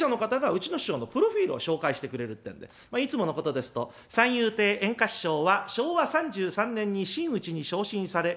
うちの師匠のプロフィールを紹介してくれるってんでいつものことですと「三遊亭圓歌師匠は昭和３３年に真打に昇進され」。